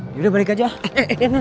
yaudah balik aja ah